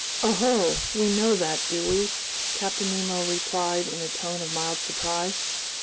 "Oho! We know that, do we?" Captain Nemo replied in a tone of mild surprise.